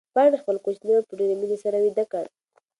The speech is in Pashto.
پاڼې خپل کوچنی ورور په ډېرې مینې سره ویده کړ.